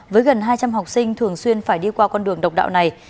với gần hai trăm linh học sinh thường xuyên phải đi qua con đường độc đạo này